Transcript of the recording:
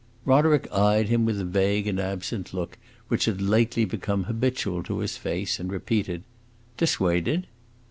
Roderick eyed him with the vague and absent look which had lately become habitual to his face, and repeated "Dissuaded?"